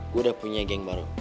gue udah punya geng baru